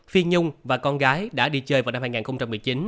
phi nhung và con gái đã đi chơi vào năm hai nghìn một mươi chín